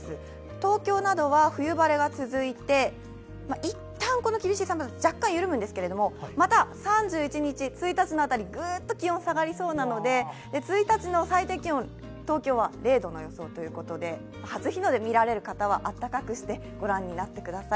東京などは冬晴れが続いて、一旦、この厳しい寒さ、若干緩むんですけど、また３１日、１日の辺り、グッと気温が下がりそうなので１日の最低気温、東京は０度の予想ということで初日の出、見られる方は温かくして御覧になってください。